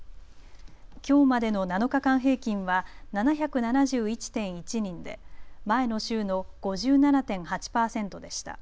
きょうまでの７日間平均は７７１．１人で前の週の５７．８％でした。